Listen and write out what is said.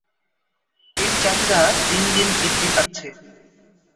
এই চাহিদা দিন দিন বৃদ্ধি পাচ্ছে।